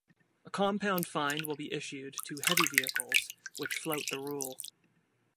A compound fine will be issued to heavy vehicles which flout the rule.